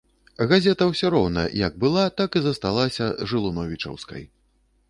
Газета ўсё роўна як была так і засталася жылуновічаўскай.